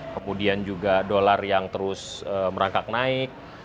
kemudian juga dolar yang terus merangkak naik